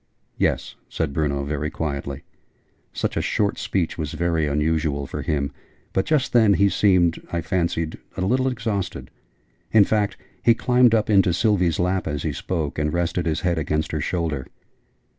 "Yes," said Bruno, very quietly. Such a short speech was very unusual, for him: but just then he seemed, I fancied, a little exhausted. In fact, he climbed up into Sylvie's lap as he spoke, and rested his head against her shoulder.